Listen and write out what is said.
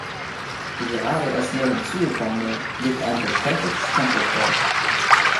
Die gerade erst neu hinzugekommene legt ein beträchtliches Tempo vor.